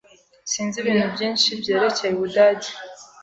Sinzi ibintu byinshi byerekeye Ubudage.